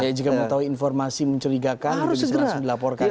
ya jika mau tahu informasi mencerigakan harus langsung dilaporkan gitu ya